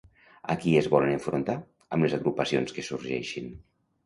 A qui es volen enfrontar amb les agrupacions que sorgeixin?